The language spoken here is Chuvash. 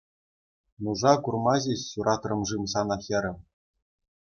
Нуша курма ҫеҫ ҫуратрӑм-шим сана, хӗрӗм.